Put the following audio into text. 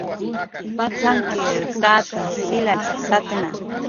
Patzankir tatas jilatxi satna.